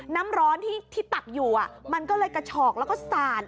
น้ำร้อนที่ตักอยู่มันก็เลยกระฉอกแล้วก็สาด